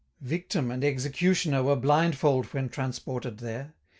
340 Victim and executioner Were blindfold when transported there.